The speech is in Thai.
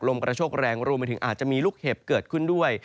กระโชคแรงรวมไปถึงอาจจะมีลูกเห็บเกิดขึ้นด้วย